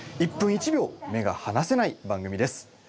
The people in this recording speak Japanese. １分１秒目がはなせない番組です。